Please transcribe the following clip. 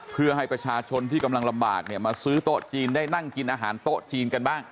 เพื่อให้ประชาชนที่กำลังลำบากเนี่ยมาซื้อโต๊ะจีนได้นั่งกินอาหารโต๊ะจีนกันบ้าง